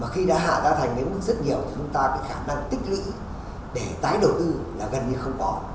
mà khi đã hạ ra thành đến mức rất nhiều chúng ta có khả năng tích lĩ để tái đầu tư là gần như không có